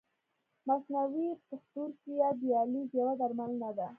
مصنوعي پښتورګی یا دیالیز یوه درملنه ده.